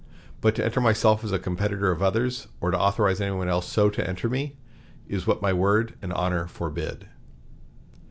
But to enter myself as a competitor of others, or to authorize any one so to enter me, is what my word and honor forbid."